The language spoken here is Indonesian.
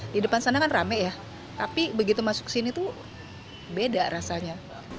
di depan sana kan rame ya tapi begitu masuk sini tuh beda rasanya